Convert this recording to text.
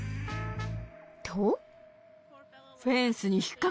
［と］